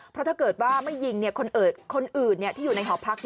เพราะถ้าเกิดว่าไม่ยิงคนอื่นที่อยู่ในหอพัก